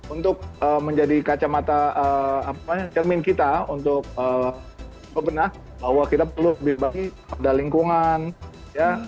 untuk menjadi kacamata apa ya cermin kita untuk sebenar bahwa kita perlu lebih baik ada lingkungan ya